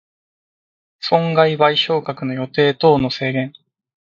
損害賠償額の予定等の制限